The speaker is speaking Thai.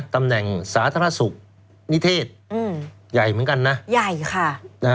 ตำแหน่งสาธารณสุขนิเทศอืมใหญ่เหมือนกันนะใหญ่ค่ะนะฮะ